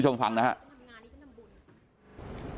คุณโทนี่ที่ฉันหมายถึงก็คือคุณทักษิณชินวัดนะคะ